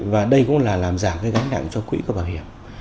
và đây cũng là làm giảm cái gánh nặng cho quỹ của bảo hiểm